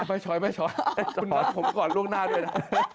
ไม่ช้อยคุณหมอผมก่อนล่วงหน้าด้วยนะ